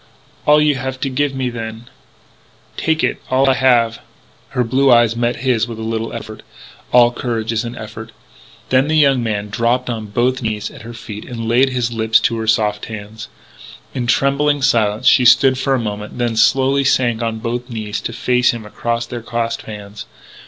"All you have to give me, then." "Take it ... all I have...." Her blue eyes met his with a little effort. All courage is an effort. Then that young man dropped on both knees at her feet and laid his lips to her soft hands. In trembling silence she stood for a moment, then slowly sank on both knees to face him across their clasped hands.